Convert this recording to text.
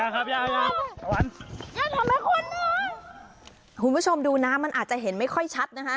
คุณผู้ชมดูนะมันอาจจะเห็นไม่ค่อยชัดนะคะ